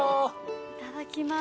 いただきます。